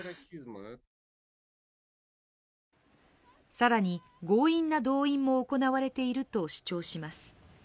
更に、強引な動員も行われていると主張します。